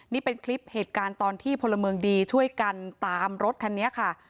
นี่เป็นคลิปเหตุการณ์ตอนที่พลเมืองดีช่วยกันตามรถคันนี้ค่ะ